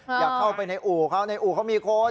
อยากเข้าไปในอู่เขาในอู่เขามีคน